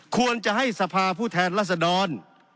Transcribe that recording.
ควรจะให้สภาผู้แทนรัศดร